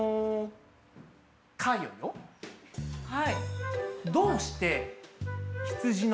はい。